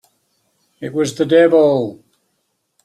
It was the devil!